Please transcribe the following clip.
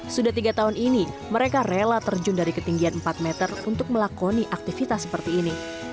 sudah tiga tahun ini mereka rela terjun dari ketinggian empat meter untuk melakoni aktivitas seperti ini